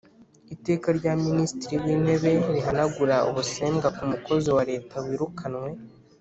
Iteka rya Minisitiri w’Intebe rihanagura ubusembwa ku mukozi wa Leta wirukanywe